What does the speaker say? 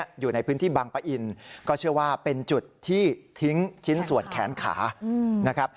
อยู่ในพื้นที่บางปะอินก็เชื่อว่าเป็นจุดที่ทิ้งชิ้นส่วนแขนขานะครับ